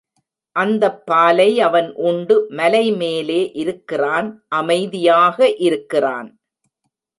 அந்தப் பாலை அவன் உண்டு மலை மேலே இருக்கிறான் அமைதியாக இருக்கிறான்.